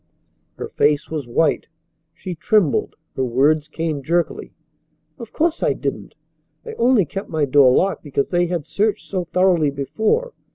Her face was white. She trembled. Her words came jerkily: "Of course I didn't. I only kept my door locked because they had searched so thoroughly before.